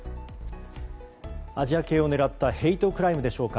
アジア系を狙ったヘイトクライムでしょうか。